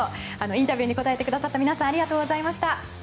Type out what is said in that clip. インタビューにお答えくださった皆さんありがとうございました。